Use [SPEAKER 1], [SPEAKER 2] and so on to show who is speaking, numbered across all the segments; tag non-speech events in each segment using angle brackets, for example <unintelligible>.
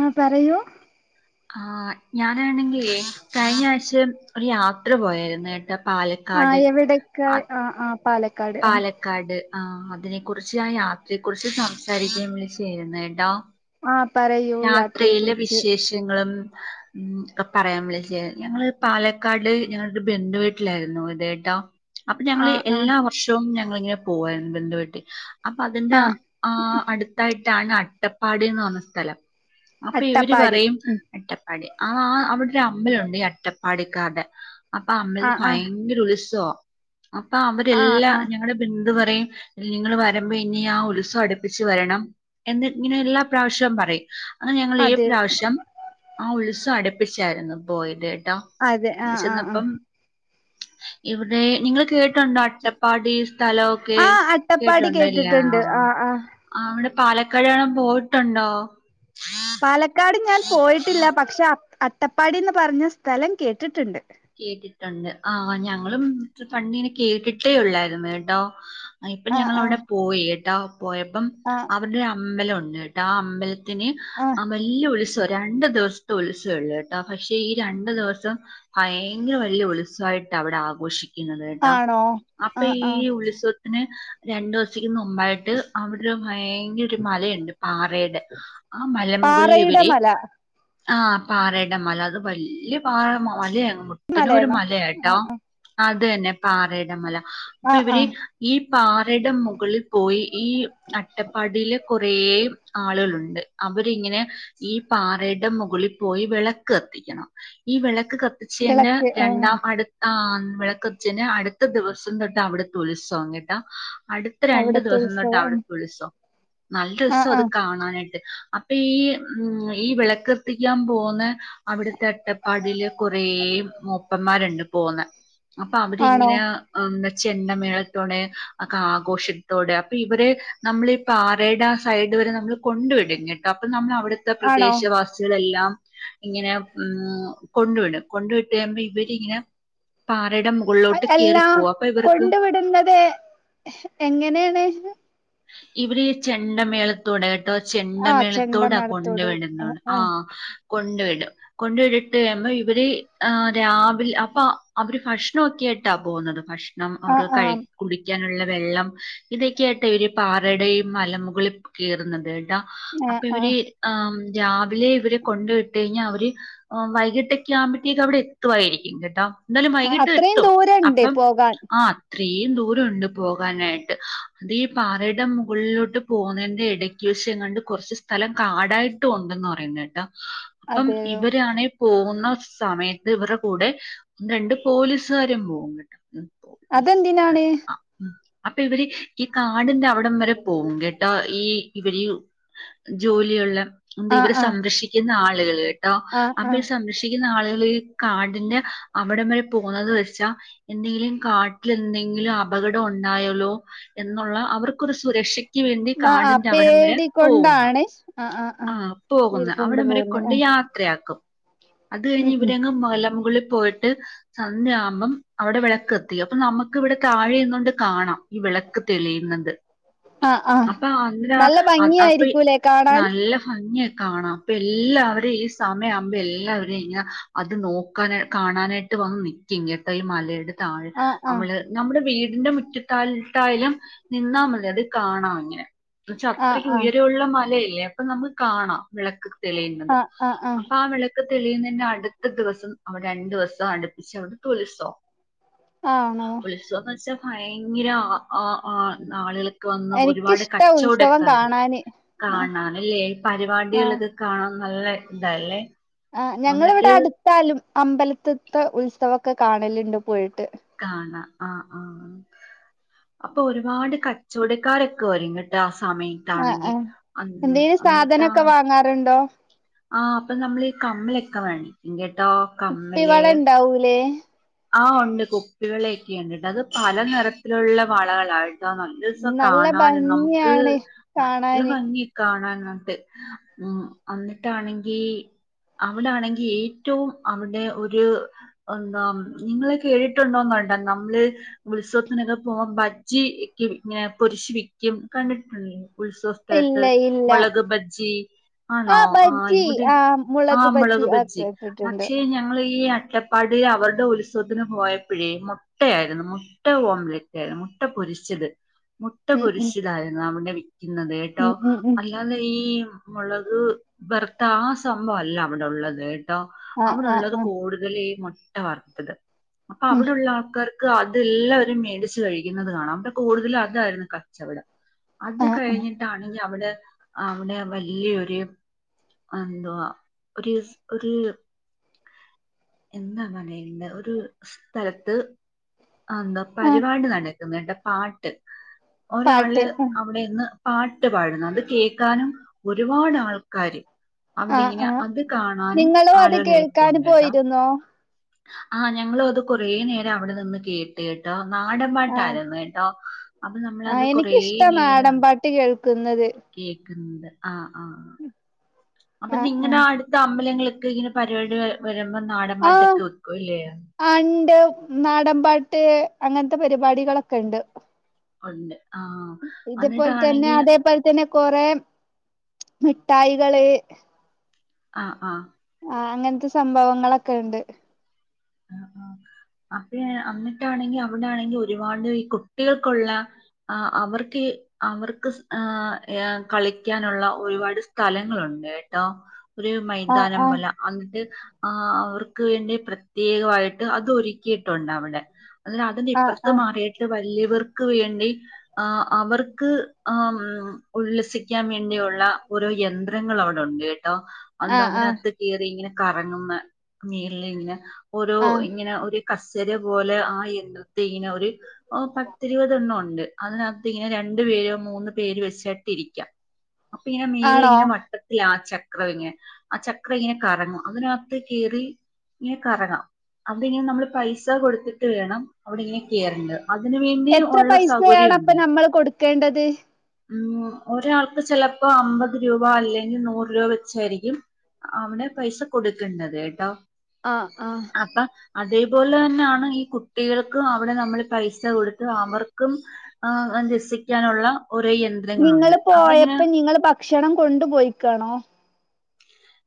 [SPEAKER 1] ആഹ് പറയൂ
[SPEAKER 2] ആഹ് ഞാനാണെങ്കിലേ കഴിഞ്ഞാഴ്ച ഒരു യാത്ര പോയാരുന്നുട്ടോ
[SPEAKER 1] ആഹ് എവിടേക്ക് ആഹ് ആഹ് പാല
[SPEAKER 2] പാലക്കാട് ആഹ് അതിനെക്കുറിച്ച് ആഹ് യാത്രയെക്കുറിച്ച് സംസാരിക്കാൻ വിളിച്ചയായിരുന്ന് കേട്ടോ
[SPEAKER 1] ആഹ് പറയ്
[SPEAKER 2] യാത്രയില് വിശേഷങ്ങളും ഉം ഇതൊക്കെ പറയാൻ വിളിച്ചേയാ ഞങ്ങള് പാലക്കാട് ഞങ്ങളൊരു ബന്ധുവീട്ടിലായിരുന്നു ഇതേട്ടോ അപ്പൊ
[SPEAKER 1] ആ
[SPEAKER 2] ഞങ്ങള്
[SPEAKER 1] ആ
[SPEAKER 2] എല്ലാ വർഷവും ഞങ്ങളിങ്ങനെ പോവാരുന്നു ബന്ദു വീട്ടി അപ്പൊ അതിന്റെ
[SPEAKER 1] ആ
[SPEAKER 2] ആഹ് അടുത്തായിട്ടാണ് അട്ടപ്പാടിന്ന് പറഞ്ഞ സ്ഥലം അപ്പൊ ഇവര്
[SPEAKER 1] അട്ടപ്പാടി
[SPEAKER 2] പറയും
[SPEAKER 1] ഉം
[SPEAKER 2] അട്ടപ്പാടി ആഹ് ആഹ് അവിടൊരമ്പലൊണ്ട് ഈ അട്ടപ്പാടിക്കാർടെ അപ്പൊ
[SPEAKER 1] ആ
[SPEAKER 2] അമ്പലത്തിൽ
[SPEAKER 1] ആ
[SPEAKER 2] ഭയങ്കര ഉത്സവാ അപ്പൊ
[SPEAKER 1] ആ
[SPEAKER 2] അവരെല്ലാ
[SPEAKER 1] ആ
[SPEAKER 2] ഞങ്ങളെ ബിന്ദു പറയും നിങ്ങള് വരുമ്പോ ഇനി ആഹ് ഉത്സവടുപ്പിച്ച് വരണം എന്ന്ഇങ്ങനെ എല്ലാ പ്രാവശ്യവും പറയും അങ്ങ് ഞങ്ങളീ
[SPEAKER 1] അതെ
[SPEAKER 2] പ്രാവശ്യം ആഹ് ഉത്സവം അടുപ്പിച്ചാരുന്നു പോയതേട്ടാ
[SPEAKER 1] അതെ ആ
[SPEAKER 2] അവടെ
[SPEAKER 1] ആ ആ
[SPEAKER 2] ചെന്നപ്പം ഇവിടെ നിങ്ങള് കേട്ടുണ്ടോ അട്ട പാടി സ്ഥലൊക്കെ
[SPEAKER 1] ആ അട്ടപ്പാടി
[SPEAKER 2] കേട്ടൊണ്ടോ ഇല്ലാ
[SPEAKER 1] കേട്ടിട്ടുണ്ട് ആ ആ
[SPEAKER 2] ആഹ് അവിടെ പാലക്കാട് കാണാൻ പോയിട്ടുണ്ടോ?
[SPEAKER 1] പാലക്കാട് ഞാൻ
[SPEAKER 2] ആ
[SPEAKER 1] പോയിട്ടില്ല പക്ഷെ അ അട്ടപ്പാടിന്ന് പറഞ്ഞ സ്ഥലം കേട്ടിട്ട്ണ്ട്
[SPEAKER 2] കേട്ടിട്ടൊണ്ട് ആഹ് ഞങ്ങളും പണ്ടിങ്ങനെ കേട്ടിട്ടേയുള്ളായിരുന്നുട്ടോ അ ഇപ്പം
[SPEAKER 1] ആ ആ
[SPEAKER 2] ഞങ്ങളവിടെ പോയിയേട്ടാ പോയപ്പം
[SPEAKER 1] ആ
[SPEAKER 2] അവരുടെ അമ്പലംണ്ട് യേട്ടാ ആഹ് അമ്പല ത്തിന്
[SPEAKER 1] ആ
[SPEAKER 2] അ വല്ല്യ ഉത്സ തൊ രണ്ടു ദിവസത്തെ ഉത്സവേള്ളൂട്ടാ പക്ഷെ ഈ രണ്ടു ദിവസം ഭയങ്കര വല്യ ഉത്സവായിട്ടാ അവിടെ ആഘോഷിക്കുന്നതേട്ടാ
[SPEAKER 1] ആണോ ആ
[SPEAKER 2] അപ്പം ഈ
[SPEAKER 1] ആ
[SPEAKER 2] ഉത്സവ പിന്നെ രണ്ടു ദിവസക്ക് മുമ്പായി ട്ട് അവിരുഭയങ്കര ഒരു മലയുണ്ട് പാറയുടെ ആഹ് മല
[SPEAKER 1] പാറയുടെ
[SPEAKER 2] മുകളിലിവര്
[SPEAKER 1] മല
[SPEAKER 2] ആഹ് പാറേടെ മല അത് വല്ല്യ പാറ മലയാങ്ങ് പ്പനോ ഒരു
[SPEAKER 1] മലയാണോ ആ
[SPEAKER 2] മലയാട്ടോ അത് തന്നെ പാറേട മല അപ്പൊ
[SPEAKER 1] ആ ആ
[SPEAKER 2] ഇവര് ഈ പാറേടെ മുകളിപോയി ഈ അട്ടപ്പാടീല് കൊറേ ആളുകളുണ്ട് അവരിങ്ങനെ ഈ പാറേടെ മുകളിപോയി വിളക്ക് കത്തിക്കണം ഈ വിളക്ക് ക ത്തിച്ചേന്റെ
[SPEAKER 1] വിളക്ക് ആ
[SPEAKER 2] രണ്ടാം അടുത് ആഹ് വിളക്ക് കത്തിച്ചേന്റെ അടുത്ത ദിവസം തൊട്ട് അവിടുത്തെ ഉത്സവം കേട്ടാ അടു അടുത്ത രണ്ടു
[SPEAKER 1] അവിടത്തെ
[SPEAKER 2] ദിവസം തൊട്ട്
[SPEAKER 1] ഉത്സവം
[SPEAKER 2] അവിടത്തെ ഉത്സവം നല്ല
[SPEAKER 1] ആ
[SPEAKER 2] രസാ
[SPEAKER 1] ആ
[SPEAKER 2] അത് കാണാനായിട്ട് അപ്പം ഈ ഈ വിളക്ക് കത്തിക്കാൻ പോവുന്ന അവിടുത്തെ അട്ടപ്പാടില് കൊറേ മൂപ്പമ്മാരുണ്ട് പോന്ന അപ്പൊ
[SPEAKER 1] ആണോ
[SPEAKER 2] അവരിങ്ങനെ ആഹ് ചെണ്ടമേളത്തോടെ ഒക്കെ ആഘോഷത്തോടെ അപ്പൊ ഇവര് നമ്മളി പാറേടെ സൈഡ് വരെ നമ്മള് കൊണ്ടുവിടും കേട്ടോ അപ്പൊ നമ്മള് അവിടെ ത്തെ
[SPEAKER 1] ആണോ
[SPEAKER 2] പ്രദേശവാസികളെല്ലാം ഇങ്ങനെ ഉം കൊണ്ടു വിടും കൊണ്ട് വിട്ട് കഴിയുമ്പോ ഇവരിങ്ങനെ പാറയുടെ മുക
[SPEAKER 1] അ അല്ലാ കൊണ്ടു വിടുന്നത് എങ്ങനെയാണ്
[SPEAKER 2] ഇവിടെ ഈ ചെണ്ടമേള ത്തോടാട്ടോ
[SPEAKER 1] ആ
[SPEAKER 2] ചെണ്ടമേളത്തോടാ
[SPEAKER 1] ചെണ്ടമേളത്തോടു ആ
[SPEAKER 2] കൊണ്ടുവിടുന്നത്
[SPEAKER 1] ആ
[SPEAKER 2] ആഹ് കൊണ്ട് വിടും കൊണ്ടുവിട്ടിട്ട് ട്ട് കഴിയുമ്പോ ഇവര് രാവിലെ അപ്പൊ അവര് ഭക്ഷണവൊക്കെ ആയിട്ടാ പോകുന്നത് ഭക്ഷ ണം
[SPEAKER 1] ആ
[SPEAKER 2] അവർ കഴ് കുടിക്കാനുള്ള വെള്ളം ഇതൊക്കെയായിട്ട് ഇവര് പാറയുടെ ഇഈ മലമുകളിൽ കയറുന്നത് കേട്ടോ
[SPEAKER 1] ആ
[SPEAKER 2] അപ്പൊ
[SPEAKER 1] ആ
[SPEAKER 2] ഇവര് ആ രാവിലെ ഇവരെ കൊണ്ട വിട്ട കഴിഞ്ഞാ അവര് വൈകിട്ടൊക്കെ ആകുമ്പോഴേക്ക് അവിടെ എത്തുആയിരിക്കും കേട്ടോ എന്താലും
[SPEAKER 1] ആ
[SPEAKER 2] വൈകിട്ട്
[SPEAKER 1] അത്രയും
[SPEAKER 2] എത്തും
[SPEAKER 1] ദൂരണ്ട്
[SPEAKER 2] അപ്പം
[SPEAKER 1] പോകാൻ
[SPEAKER 2] ആഹ് അത്രെ ദൂരണ്ട് പോകാനായിട്ട് അത് ഈ പാറയുടെ മുകളിലോട്ട് പോകുന്നതിന്റെ ഇടയ്ക് വിശം കോണ്ട് കോറച്ച് സ്ഥലം കാടായി ട്ടുണ്ട്ന്ന് പറയന്ന്ട്ട് അപ്പം
[SPEAKER 1] അതെയോ
[SPEAKER 2] ഇവര് ഇവരാണെ പോകുന്ന സമയത്ത് ഇവര്ടെ കൂടെ രണ്ട് പോലീസുകാരും പോകുന്നു
[SPEAKER 1] അതെന്തിനാണ്
[SPEAKER 2] ഉം അപ്പൊ ഇവര് ഈ കാടി ന്റെ ന്ന അവടം വരെ പോകും കേട്ട ഈ ഇവര് ജോലിയുള്ള എന്താ
[SPEAKER 1] ആ
[SPEAKER 2] ഇവരെ
[SPEAKER 1] ആ
[SPEAKER 2] സംരക്ഷിക്ക ക്കുന്ന ആളുകൾ ട്ടോ
[SPEAKER 1] ആ ആ
[SPEAKER 2] സംരക്ഷിക്കുന്ന ആളുകള് ഈ കാടിന്റെ അവിടം വരെ പോകുന്നുന്നത് വെച്ചാ എന്തെങ്കിലും കാട്ടില് എന്തെങ്കിലും അപകടം ഉണ്ടായല്ലോ എന്നുള്ള അവർക്കൊരു സുരക്ഷ ക്ക് വേണ്ടി കാടിന്റെ അവടം വരെ പോകുന്നു
[SPEAKER 1] ഷ് ആഹ്
[SPEAKER 2] ആഹ് പോകുന്ന അവിട വരെ കൊണ്ട്യായാ യാക്കും അത് കഴിഞ്
[SPEAKER 1] ഉം ഉം
[SPEAKER 2] ഇവരങ് മലമുകളിൽ പോയിട്ട് സന്ധ്യയാവുമ്പം അവടെ വെളക്ക് കത്തികും അപ്പൊ നമക്ക് ഇവിടെ താഴെയി ന്നുകൊണ്ട് കാണാം ഈ വിളക്ക് തെളിയ്ന്നത്
[SPEAKER 1] ആ ആ
[SPEAKER 2] അപ്പൊ
[SPEAKER 1] നല്ല
[SPEAKER 2] അന്നേരഅപ്പൊ
[SPEAKER 1] ഭംഗിയായിരിക്കൂലേ കാണാൻ
[SPEAKER 2] നല്ല ഭംഗിആയി കാണാം അപ്പ എല്ലാവരേ ഈ സമയമാവുമ്പോ എല്ലാവരെ ഇങ്ങനെ അത് നോക്കാന കാണാനായിട്ട് വന്ന് നിക് ക്കും കെട്ട ഇ മലയുടെ താഴ്
[SPEAKER 1] ആ ആ
[SPEAKER 2] നമ്മള് നമ്മുടെ വീടിന്റെ മുറ്റത്താലത്തായാലും നിന്നാമതി അത് കാണാം അങ്ങനെ എന്നച്ച
[SPEAKER 1] ആ
[SPEAKER 2] അത്രയ്ക്ക്
[SPEAKER 1] ആ
[SPEAKER 2] ഉയരമുള്ള മലയല്ലേ അപ്പൊ നമക്ക് കാണാം വെളക്ക് തെളിയന്നുന്നത്
[SPEAKER 1] ആ ആ
[SPEAKER 2] അപ്പ
[SPEAKER 1] ആ
[SPEAKER 2] ആവെളക്ക് ക്ക്‌ തെളിയുന്നതിന്ന് അടുത്ത ദിവസം അവിടെ രണ്ടു ദിവസം അടുപ്പിച്ച് അവിടെ തുൽസം
[SPEAKER 1] ആണോ
[SPEAKER 2] ഉത്സവംന്ന് വെച്ചാ ഭയങ്കരഅ അ നാളുകള് ക്ക്‌ വന്ന് ഒരുപാട്
[SPEAKER 1] എനിക്കിഷ്ടാ ഉത്സവം
[SPEAKER 2] കച്ചവടക്കാര്
[SPEAKER 1] കാണാന് ആ
[SPEAKER 2] കാണ് ണനല്ലേ ഇ
[SPEAKER 1] ആ
[SPEAKER 2] പരിപാടികളൊക്കെ കാണൻ നല്ല ഇതാല്ലേ
[SPEAKER 1] ആഹ് ഞങ്ങളിവിടെ അടുത്താലും അമ്പൽത്തി ത്തെ ഉത്സവൊക്കെ കാണലുണ്ട് പോയിട്ട്
[SPEAKER 2] കാണ ആഹ് ആഹ് അപ്പൊ ഒരുപാട് കച്ചവടക്കാരൊക്കെ വരുങ്ങിട്ട് ആ സമയം
[SPEAKER 1] ആഹ് ആഹ് എന്തെലും സാധനൊക്കെ വാങ്ങാറുണ്ടോ
[SPEAKER 2] ആഹ് അപ്പൊ നമ്മളീ കമ്മിലൊക്കെ വാങ്ങിക്കു കേട്ടോ
[SPEAKER 1] കുപ്പി വള ഇണ്ടാവൂലേ
[SPEAKER 2] ആ ഉണ്ട് കുപ്പിവളൊക്കെയ ഉണ്ട്അത് പല നെറത്തിലുള്ള വളകളായി നല്ല ദിവസം
[SPEAKER 1] നല്ല
[SPEAKER 2] കാണൻ നമുക്ക്
[SPEAKER 1] ഭംഗിയാണ്
[SPEAKER 2] നല്ല
[SPEAKER 1] കാണാന്.
[SPEAKER 2] ഭംഗി കാണാനിട്ട് ഉം എന്നന്നിട്ടാണെങ്കി അവിടാണെങ്കി ഏറ്റവും അവിടെ ഒരു എന്താ നിങ്ങളെ കേട്ടിട്ടുണ്ടോന്ന് വണ്ട നമ്മള് ഉത്സവത്തിനൊക്കെ പോകം ബജ്ജിക്ക്‌ ഇങ്ങനെ പോരിശു വിക്കും കണ്ടിട്ടുണ്ട് ഉത്സവത്തി
[SPEAKER 1] ഇല്ല
[SPEAKER 2] തലത്തു
[SPEAKER 1] ഇല്ല
[SPEAKER 2] മുളക് ഭജ്ജി ആണോ
[SPEAKER 1] ആ
[SPEAKER 2] ആഹ്
[SPEAKER 1] ബജ്ജി
[SPEAKER 2] ഇവിടെ
[SPEAKER 1] ആ മുളക്
[SPEAKER 2] ആഹ് മോളക്
[SPEAKER 1] ആ
[SPEAKER 2] ബജ്ജി
[SPEAKER 1] കേട്ടിട്ടുണ്ട്.
[SPEAKER 2] പക്ഷേഞ ങ്ങളീ ഈ അട്ടപ്പാടി അവരുടെഉൽ സവത്തിന് പോയപ്പോഴേ മുട്ടയായിരുന്നു മുട്ട ഓംലറ്റ് ആയിരുന്നു മുട്ട പൊരിച്ചത് മുട്ട
[SPEAKER 1] ഉം ഉം
[SPEAKER 2] പൊരിശിലായിരുന്നു അവിടെ വിൽക്കുന്നത് കേട്ടോ
[SPEAKER 1] ഉം ഉം ഉം
[SPEAKER 2] നല്ല അല്ലാതെ ഈ മൊളക് വെറുത്ത ആ സംഭവല്ല അവിടെ ഉള്ളത് കേട്ടോ
[SPEAKER 1] ആ ആ
[SPEAKER 2] അവിടെള്ളത്
[SPEAKER 1] ആ
[SPEAKER 2] കൂടുതല് മുട്ട വർത്തത് അപ്പൊ
[SPEAKER 1] ഉം
[SPEAKER 2] അവിടുള്ള ആൾക്കാർ അതെല്ലാവരും മേടിച്ച് കഴിക്കുന്നത് കാണാം അവിടെ കൂടുതലും അതായിരുന്നു കച്ചവടം അത്
[SPEAKER 1] ആ ആ
[SPEAKER 2] കഴിഞ്ഞിട്ടാണ് ഇനി അവിടെ അവിടെ വല്യ ഒര് എന്തോ ഒരുസ് ഒര് എന്താ പറയേണ്ടെ ഒരു സ്ഥലത്ത് ആന്താ
[SPEAKER 1] ആ
[SPEAKER 2] പരിപാടി നടക്ക്ന്ന്ണ്ട് പാട്ട്
[SPEAKER 1] പാട്ട്
[SPEAKER 2] ഒരാള് അവിടെയിന്ന് പാട്ട് പാടുന്നുണ്ട് അത് കേക്കാനും ഒരുപാട് ആൾക്കാര്
[SPEAKER 1] ആ
[SPEAKER 2] അവിടെ ഇങ്ങനെ
[SPEAKER 1] ആ
[SPEAKER 2] അത് കാണാനും
[SPEAKER 1] നിങ്ങളും അത്
[SPEAKER 2] ആളുകള്
[SPEAKER 1] കേൾക്കാൻ
[SPEAKER 2] ഇരുപ്പ്ണ്ട് കേട്ടാ
[SPEAKER 1] പോയിരുന്നോ?
[SPEAKER 2] ആഹ് ഞങ്ങളു അത് കൊറേ നേരം അവിടെ നിന്ന് കേ കേട്ടോ നാടൻ പാട്ട്
[SPEAKER 1] ആ
[SPEAKER 2] ആരുന്നു കേട്ടോ അപ്പൊ നമ്മളത് കൊറേ നേരം
[SPEAKER 1] ട്ട് കേൾക്കുന്നത്
[SPEAKER 2] കേക്കുന്നത് ആഹ് ആഹ് അപ്പൊ
[SPEAKER 1] ആ ആ
[SPEAKER 2] നിങ്ങടെ അടുത്ത് അമ്പലങ്ങളൊക്കെ ഇങ്ങനെ പരിപാടി വ വരുമ്പോ നാടൻ പാട്ടൊക്കെ വെക്കുവല്ലേ
[SPEAKER 1] ആഹ് ഇണ്ട് നാടൻ പാട്ട് അങ്ങനത്തെ പരിപാടികളൊക്കെ ഇണ്ട്
[SPEAKER 2] ഒണ്ട് ആഹ്
[SPEAKER 1] ഇതുപോലെ തന്നെ
[SPEAKER 2] അന്നിട്ടാണെങ്കി
[SPEAKER 1] അതേപോലെ തന്നെ കൊറെ മിഠായികള്
[SPEAKER 2] ആഹ് ആഹ്
[SPEAKER 1] ആഹ് അങ്ങൻത്തെ സംഭവങ്ങളൊക്കെ ഇണ്ട്
[SPEAKER 2] ആഹ് ആഹ് അപ്പഴ് അന്നിട്ടാണെങ്കി അവിടാണെങ്കി ഒരുപാട് ഈ കുട്ടികൾക്കുള്ള ആഹ് അവർക്കീ അവർക്ക് സ് ഏഹ് കളിക്കാനുള്ള ഒരുപാട് സ്ഥലങ്ങളുണ്ട് കേട്ടോ ഒരു
[SPEAKER 1] ആ
[SPEAKER 2] മൈതാനം
[SPEAKER 1] ആ
[SPEAKER 2] പോലെ അന്നിട്ട് ആഹ് അവർക്ക് വേണ്ടി പ്ര പ്രത്യേകവായിട്ട് അതൊരുക്കിയിട്ടുണ്ട് അവിടെ അന്നട്ട് അതിന്റെ
[SPEAKER 1] ആ
[SPEAKER 2] ഇപ്പർത്ത്
[SPEAKER 1] ആ
[SPEAKER 2] മാറിയിട്ട് ട്ട് വല്യവർക്ക് വേണ്ടി ആഹ് അവർക്ക് ആം ഉം ഉല്ലസിക്കാൻ വേണ്ടിയുള്ള ഓരോ യന്ത്രങ്ങൾ അവിടെ ഒണ്ട് കേട്ടോ
[SPEAKER 1] ആ ആ
[SPEAKER 2] <unintelligible> കേറി ഇങ്ങനെ കറങ്ങുന്നാ മേളില്ങ്ങനെ ഓരോ
[SPEAKER 1] ആ
[SPEAKER 2] ഇങ്ങനെ ഒര് കസേര പോലെ ആഹ് എന്ത്രത്തീ ഇങ്ങനെ ഒരു ആഹ് പത്തിരുപതെണ്ണം ഒണ്ട് അതിനാത്ത് ഇങ്ങനെ രണ്ടു പേര് മൂന്ന് പേര് വെച്ചിട്ട് ഇരിക്കാം അപ്പൊ ഇങ്ങനെ
[SPEAKER 1] ആണോ
[SPEAKER 2] മേള്ലിങ്ങനെ വട്ട ത്തിലാ ആ ചക്രം ഇങ്ങനെ ആ ചക്രം ഇങ്ങനെ കറങ്ങും അതിനാത്ത് കേറി ഇങ്ങനെ കറങ്ങാം അവിടെങ്ങനെ നമ്മള് പൈസ കൊടുത്തിട്ട് വേണം അവിടെ ഇങ്ങനെ കേറണ്ടത് അതിന് വേണ്ട്
[SPEAKER 1] എത്ര പൈസയാണ് അപ്പ നമ്മള് കൊടുക്കേണ്ടത്
[SPEAKER 2] ഉം ഒരാൾക്ക് ചെലപ്പോ അമ്പത് രൂപ അല്ലെങ്കിൽ നൂറ് രൂപ വെച്ചായിരിക്കും അവടെ പൈസ കൊടുക്കേണ്ടത് കേട്ടോ
[SPEAKER 1] ആഹ് ആഹ്
[SPEAKER 2] അപ്പാ അതേപോലെ തന്നെയാണ് ഈ കുട്ടികൾക്കും അവിടെ നമ്മൾ പൈസ കൊടുത്ത് അവർക്കും ആഹ് അരസിക്കാനുള്ള ഒരു യന്ത്
[SPEAKER 1] നിങ്ങള് പോയപ്പോ നിങ്ങള് ഭക്ഷണം കൊണ്ടു പോയിക്കാണോ?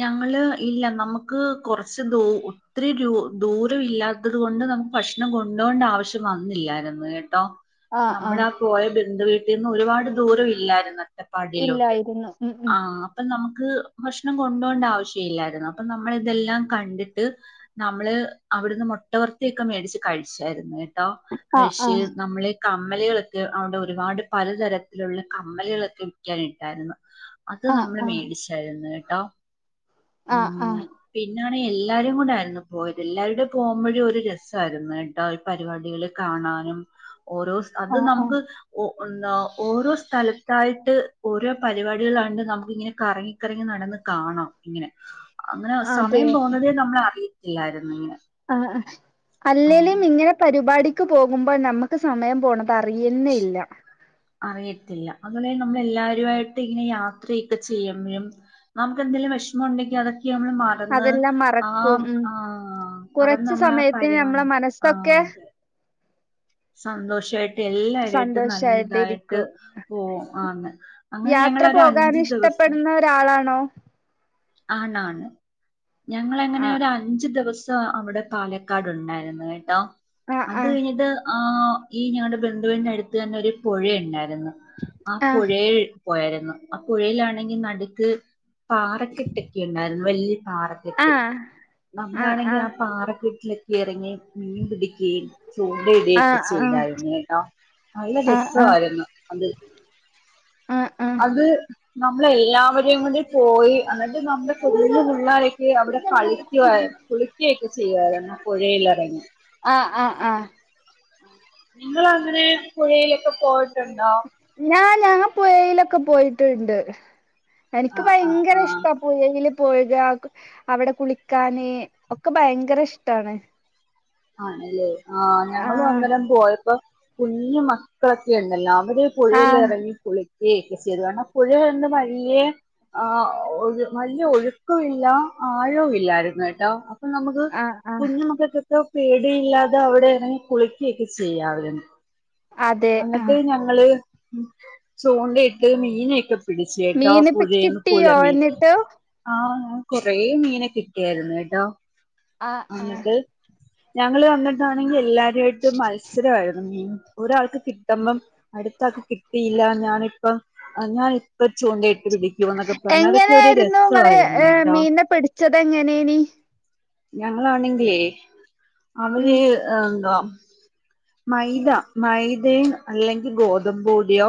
[SPEAKER 2] ഞങ്ങള് ഇല്ലാ നമ്മക്ക് കൊറച്ച് ദൂ ഒത്തിരി രു ദൂരവില്ലാ ത്തത് കൊണ്ട് നമുക്ക് ഭക്ഷണം കൊണ്ടോണ്ട ആവശ്യം വന്നില്ലായിരുന്നു കേട്ടോ
[SPEAKER 1] ആ ആ
[SPEAKER 2] നമ്മളാ പോയ ബന്ധുവീട്ടിന്ന് ഒരുപാട് ദൂരം ഇല്ലായിര്ന്ന് അട്ടപ്പാടിയിലോണ്ട്
[SPEAKER 1] ഇല്ലായിരുന്നു ഉം ഉം
[SPEAKER 2] ആഹ് അപ്പൊ നമ്മക്ക് ഭഷ് ഭക്ഷണം കൊണ്ടോണ്ട ആവശ്യം ഇല്ലായിരുന്നു അപ്പൊ നമ്മള് ഇതെല്ലാം കണ്ടിട്ട് നമ്മള് അവിടുന്ന് മൊട്ടവർത്തിയൊക്കെ മേടിച്ച് കഴിച്ചായിരുന്നു കേട്ടോ
[SPEAKER 1] ആ ആ
[SPEAKER 2] കഴിച്ച് നമ്മള് കമ്മലുകളൊക്കെ അവടെ ഒരുപാട് പലതരത്തിലുള്ള കമ്മലുകളൊക്കെ വിക്കാനിട്ടായിരുന്നു. അത്
[SPEAKER 1] ആ
[SPEAKER 2] നമ്മള്
[SPEAKER 1] ആ
[SPEAKER 2] മേടിച്ചായിരുന്നു കേട്ടോ
[SPEAKER 1] ആഹ് ആഹ്
[SPEAKER 2] പിന്നാണേ എല്ലാരും കൂടായാരുന്നു പോയത് എല്ലാരുടെ പോമ്പോഴ് ഒര് രസായിരുന്നുട്ടൊ പരിപാടികള് കാണാനും ഓരോസ്
[SPEAKER 1] ആ
[SPEAKER 2] അത്
[SPEAKER 1] ആ
[SPEAKER 2] നമുക്ക് ഒ എന്താ ഓരോ സ്ഥലത്തായിട്ട് ഓരോ പരിപാടികളാണ്ട് നമുക്ക് ഇങ്ങനെ കറങ്ങിക്കറങ്ങി നടന്ന് കാണാം ഇങ്ങനെ അങ്ങനെ
[SPEAKER 1] അതെ
[SPEAKER 2] സമയം <unintelligible> നമ്മള അറിയിത്തില്ലാരുന്നു ഇങ്ങനെ
[SPEAKER 1] ആഹ്
[SPEAKER 2] ഉം
[SPEAKER 1] അല്ലേലും ഇങ്ങനെ പര്പാടിക്ക് പോകുമ്പോ ഞമ്മക്ക് സമയം പോണ ട്ടറിയന്നെല്ല.
[SPEAKER 2] അറിയത്തില്ല അതുപോലെ നമ്മള് എല്ലാരുവായിട്ട് ഇങ്ങനെ യാത്രയൊക്കെ ചെയ്യ്മ്പയും നമുക്കെന്തെങ്കിലും വെഷമൊണ്ടെങ്കി അതൊക്കെ നമ്മള് മ റന്ന്
[SPEAKER 1] അതെല്ലാം മറക്കും
[SPEAKER 2] ആഹ്
[SPEAKER 1] ഉം
[SPEAKER 2] ആഹ് മറന്ന്
[SPEAKER 1] കുറച്ച്
[SPEAKER 2] നമ്മള്ളാ
[SPEAKER 1] സമയത്തിന് നമ്മളെ
[SPEAKER 2] പര്പാടി ആഹ്
[SPEAKER 1] മനസ്സൊക്കെ
[SPEAKER 2] അതെ സന്തോഷായിട്ട് എല്ലരായിട്ട് നല്ലയിതായിട്ട്
[SPEAKER 1] സന്തോഷായിട്ടിരിക്കും
[SPEAKER 2] <unintelligible> ആന്ന് അങ്ങനെ
[SPEAKER 1] യാത്ര
[SPEAKER 2] ഞങ്ങളൊര്
[SPEAKER 1] പോകാൻ
[SPEAKER 2] അഞ്ച് ദിവസം
[SPEAKER 1] <unintelligible>
[SPEAKER 2] ആണാണ് ഞങ്ങളങ്ങനെ
[SPEAKER 1] ആഹ്
[SPEAKER 2] ഒര് അഞ്ച് ദിവസം ത്തൊ അവ്ടെ പാലക്കാടൊണ്ടാരുന്നു കേട്ടോ
[SPEAKER 1] ആഹ്
[SPEAKER 2] അത് കഴിഞ്ഞിട്ട് ആഹ് ഈ ഞങ്ങടെ ബന്ധുവിന്റെ അടുത്തന്നെ ഒര് പുഴണ്ടായിരുന്നു ആഹ് പുഴെ പോയാര്ന്നു ആഹ് പുഴയിലാണെങ്കി നട്ക്ക് പാറക്കെട്ടക്കെണ്ടാരുന്നു വല്യ പാറ
[SPEAKER 1] ആഹ്
[SPEAKER 2] നമ്മാണെങ്കി ആഹ് പാറക്കെട്ടിലൊക്കെയറങ്ങി മീൻ പിടിക്കയും ചൂണ്ടയിടുകയൊക്കെ
[SPEAKER 1] ആഹ് ആഹ്
[SPEAKER 2] ചെയ്താരുന്നുട്ടോ നല്ല
[SPEAKER 1] ആഹ് ആഹ് ആഹ്
[SPEAKER 2] രസവാരുന്നു അത്
[SPEAKER 1] ആഹ് ആഹ്
[SPEAKER 2] അത് നമ്മളെല്ലാവരെയും കൂടി പോയി അന്ന് നമ്മുടെ കുഞ്ഞു പുള്ളാരൊക്കെ അവ്ടെ കളിക്കവാ കുളിക്കയൊക്കെ ചെയ്യുവാരുന്നു. പുഴയിലെറങ്ങി.
[SPEAKER 1] ആഹ് ആഹ് ആഹ്
[SPEAKER 2] നിങ്ങളങ്ങനെ പുഴയിലൊക്കെ പോയ്‌ട്ടൊണ്ടോ?
[SPEAKER 1] ഞാൻ ഞങ്ങ പുഴയിലൊക്കെ പോയിട്ട്ണ്ട് എനിക്ക്
[SPEAKER 2] ആഹ് ആഹ്
[SPEAKER 1] ഭയങ്കര ഇഷ്
[SPEAKER 2] ആഹ്
[SPEAKER 1] ട്ടാ പുഴയില് പോഴ്ഗ ക് അവ്ടെ കുളിക്കാന് ഒക്കെ ഭയങ്കര ഇഷ്ട്ടാണ്.
[SPEAKER 2] ആണ്ലേ ആഹ് ഞങ്ങള്
[SPEAKER 1] ആഹ്
[SPEAKER 2] അന്നേരം പോയപ്പോ കുഞ്ഞു മക്കളൊക്കെണ്ടല്ലോ അവര് പുഴയിലെ
[SPEAKER 1] ആഹ്
[SPEAKER 2] റങ്ങി കുളിക്കേം ഒക്കെ ചെയ്തു കാരണം പുഴയില് അന്ന് വല്യ ആഹ് ഒഴ് നല്ല ഒഴ്ക്കും ഇല്ല ആഴവും ഇല്ലാരുന്നുട്ടോ അപ്പൊ നമ്മക്ക്
[SPEAKER 1] ആഹ് ആഹ്
[SPEAKER 2] കുഞ്ഞുമക്കൊക്കെ പേടിയില്ലാതെ അവ്ടെറങ്ങി കുളിക്കയൊക്കെ ചെയ്യാവാരുന്നു.
[SPEAKER 1] അതെ
[SPEAKER 2] അങ്ങിട്ട്
[SPEAKER 1] ആഹ്
[SPEAKER 2] ഞങ്ങള് ചൂണ്ടയിട്ട് മീനെയൊക്കെ പിടിച്ച്കേട്ടോ
[SPEAKER 1] മീനിപ്പ
[SPEAKER 2] പുഴേന്ന്
[SPEAKER 1] കിട്ടിയോ
[SPEAKER 2] പുഴമീൻ.
[SPEAKER 1] എന്നിട്ട്
[SPEAKER 2] ആഹ് ഞങ്ങക്ക് കൊറെ മീനെ കിട്ടിയാരുന്നു കേട്ടോ
[SPEAKER 1] ആഹ് ആഹ്
[SPEAKER 2] അന്നിട്ട് ഞങ്ങള് എന്നിട്ടാണെങ്കി എല്ലാരുവായിട്ട് മത്സരം ആരുന്നു മീൻ ഒരാൾക്ക് കിട്ട്മ്പം അട്ത്താക്ക് കിട്ടിയില്ല ഞാനിപ്പം ഞാനിപ്പ ചൂണ്ടയിട്ട് പിടി
[SPEAKER 1] എങ്ങനെയാരുന്നു ങ്ങള് ഏഹ്
[SPEAKER 2] കേട്ടോ
[SPEAKER 1] മീനെ പിടിച്ചത് എങ്ങനെനി
[SPEAKER 2] ഞങ്ങളാണെങ്കിലേ അവര്
[SPEAKER 1] ഉം
[SPEAKER 2] എന്താ മൈദ മൈദയും അല്ലെങ്കി ഗോതമ്പ് പൊടിയോ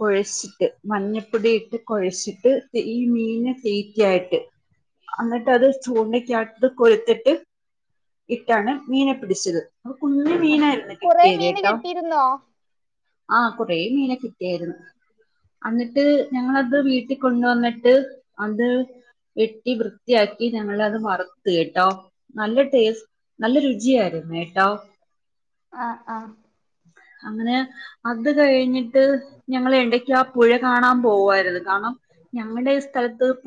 [SPEAKER 2] കൊഴച്ചിട്ട് മഞ്ഞപ്പൊടിയിട്ട് കൊഴച്ചിട്ട് ഈ മീനെ തീറ്റയായിട്ട് അന്നിട്ട് അത് ചൂണക്കാത്ത് കൊര്ത്തിട്ട് ഇട്ടാണ് മീനെ പിടിച്ചത് കുഞ്ഞു
[SPEAKER 1] ആഹ്
[SPEAKER 2] മീനാര്ന്നു
[SPEAKER 1] കൊറേ മീന്
[SPEAKER 2] കിട്ടിയത്ട്ടോ
[SPEAKER 1] കിട്ടിയിരുന്നോ
[SPEAKER 2] ആഹ് കുറേ മീനെ കിട്ടിയാര്ന്നു. അന്നിട്ട് ഞങ്ങളത് വീട്ടി കൊണ്ട് വന്നിട്ട് അത് വെട്ടി വൃ വൃത്തിയാക്കി ഞങ്ങൾ അത് വർത്ത് കേട്ടോ നല്ല ടേസ് നല്ല രുചിയാര്ന്നു കേട്ടോ
[SPEAKER 1] ആഹ് ആഹ്
[SPEAKER 2] അങ്ങനെ അത് കഴിഞ്ഞ്ട്ട് ഞങ്ങൾ എടക്കാ ആ പുഴ കാണാ പോവാര്ന്നു കാര്ണം ഞങ്ങടെ ഈ സ്ഥലത്ത് പൊ